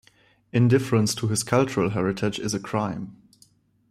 Indifference to his cultural heritage is a crime.